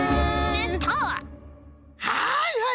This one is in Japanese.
はいはい！